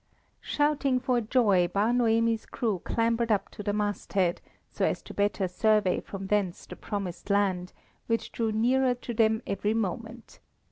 Shouting for joy, Bar Noemi's crew clambered up to the masthead, so as to better survey from thence the promised land, which drew nearer to them every moment.